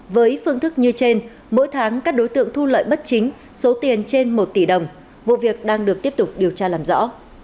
với phương thức như trên mỗi tháng các đối tượng thu lợi bất chính số tiền trên một tỷ đồng vụ việc đang được tiếp tục điều tra làm rõ